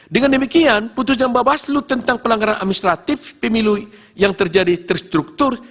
dengan demikian putusan bawaslu tentang pelanggaran administratif pemilu yang terjadi terstruktur